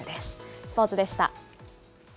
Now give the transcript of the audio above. スポーツでした。